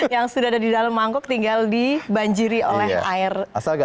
yang sudah ada di dalam mangkok tinggal dibanjiri oleh air